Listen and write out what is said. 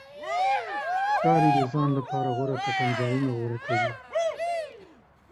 ښکاري د ځان لپاره غوره پټنځایونه غوره کوي.